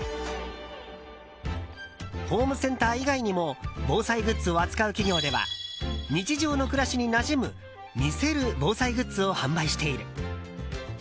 ホームセンター以外にも防災グッズを扱う企業では日常の暮らしになじむ見せる防災グッズを販売している。